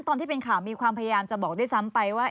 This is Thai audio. ตอนที่เป็นข่าวมีความพยายามจะบอกด้วยซ้ำไปว่า